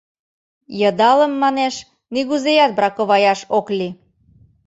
Йыдалым, манеш, нигузеат браковаяш ок лий.